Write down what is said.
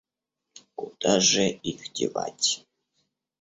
Куда же их девать?